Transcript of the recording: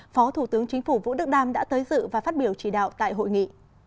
phó thủ tướng chính phủ vũ đức đam đã tới dự và phát biểu chỉ đạo tại hội nghị